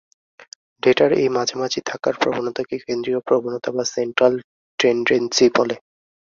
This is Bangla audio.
ডেটার এই মাঝামাঝি থাকার প্রবনতাকে কেন্দ্রীয় প্রবনতা বা সেন্ট্রাল ট্যান্ডেন্সি বলে।